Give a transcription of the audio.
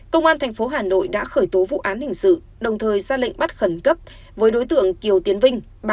công an tp hà nội đã khởi tố vụ án hình sự đồng thời ra lệnh bắt khẩn cấp với đối tượng kiều tiến vinh